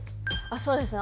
そうですね